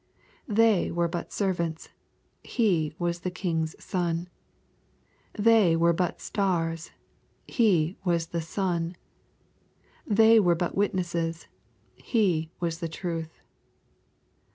They were but servants ; He was the King's Son. They were but stars ; He was the Sun. They were but witnesses ; He was the Truth.